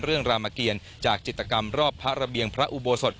รามเกียรจากจิตกรรมรอบพระระเบียงพระอุโบสถ